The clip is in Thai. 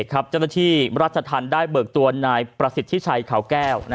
เจ้าหน้าที่ราชธรรมได้เบิกตัวนายประสิทธิชัยเขาแก้ว